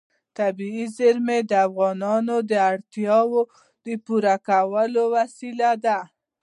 طبیعي زیرمې د افغانانو د اړتیاوو د پوره کولو وسیله ده.